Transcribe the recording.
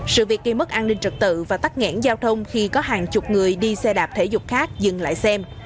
sự việc gây mất an ninh trật tự và tắt nghẽn giao thông khi có hàng chục người đi xe đạp thể dục khác dừng lại xem